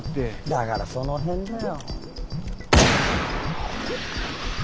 だからその辺だよ。